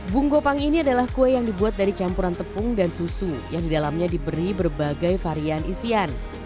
bung gopang ini adalah kue yang dibuat dari campuran tepung dan susu yang didalamnya diberi berbagai varian isian